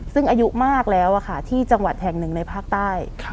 ซึ่งอายุมากแล้วที่จังหวะแถง๑ในภาคใต้